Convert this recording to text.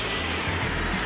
jangan makan aku